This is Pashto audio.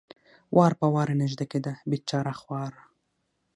وار په وار را نږدې کېده، بېچاره خورا.